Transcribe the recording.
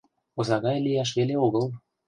Оза гай лияш веле огыл.